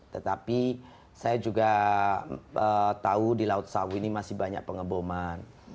tetapi saya juga tahu di laut sawi ini masih banyak pengeboman